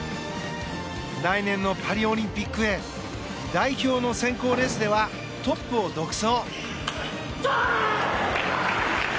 来年のパリオリンピックへ代表の選考レースではトップを独走。